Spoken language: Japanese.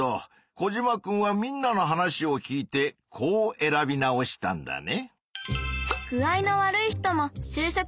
コジマくんはみんなの話を聞いてこう選び直したんだね。